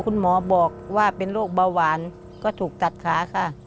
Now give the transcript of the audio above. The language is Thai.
คุณหมอบอกว่าเป็นโรคเบาหวานก็ถูกตัดขาค่ะ